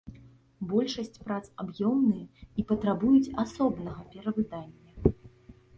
Большасць прац аб'ёмныя і патрабуюць асобнага перавыдання.